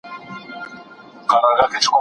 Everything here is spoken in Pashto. خصوصي تشبثات په هیواد کي شتون لري.